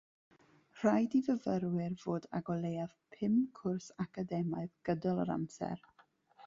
Rhaid i fyfyrwyr fod ag o leiaf pum cwrs academaidd gydol yr amser.